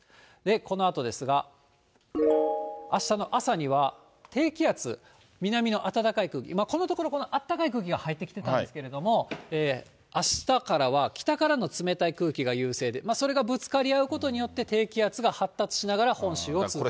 このあとですが、あしたの朝には、低気圧、南の暖かい空気、今、このところあったかい空気が入ってきてたんですけれども、あしたからは北からの冷たい空気が優勢で、それがぶつかり合うことによって、低気圧が発達しながら本州を通過する。